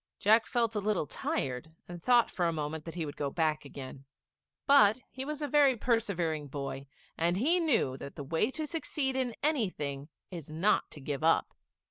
Jack felt a little tired, and thought for a moment that he would go back again; but he was a very persevering boy, and he knew that the way to succeed in anything is not to give up.